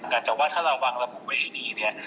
แต่ว่าถ้าเราบังระบุไม่ให้ดี